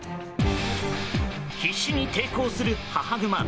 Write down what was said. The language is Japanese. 必死に抵抗する母グマ。